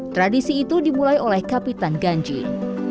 tradisi itu dimulai oleh kapitan ganjing